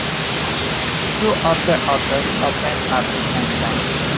Two other hotels opened at the same time.